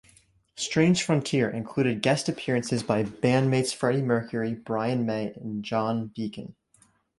"Strange Frontier" included guest appearances by bandmates Freddie Mercury, Brian May and John Deacon.